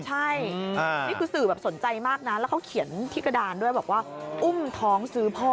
ใช่นี่คือสื่อแบบสนใจมากนะแล้วเขาเขียนที่กระดานด้วยบอกว่าอุ้มท้องซื้อพ่อ